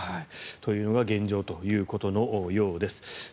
というのが現状ということのようです。